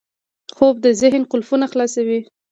خوب د ذهن قفلونه خلاصوي